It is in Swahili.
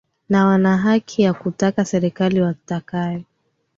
na wanahaki ya kutaka serikali watakayo